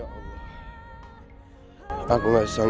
kamu harus pergi dari sini